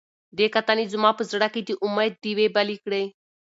دې کتنې زما په زړه کې د امید ډیوې بلې کړې.